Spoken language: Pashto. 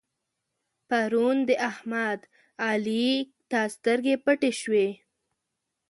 پرون د احمد؛ علي ته سترګې پټې شوې.